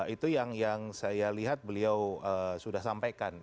itu yang saya lihat beliau sudah sampaikan